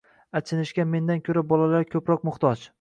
Achinishga mendan ko'ra bolalar ko'proq muhtoj.